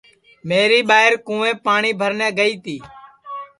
میری ٻائیر کُونٚویپ پاٹؔی بھرنے گئی تی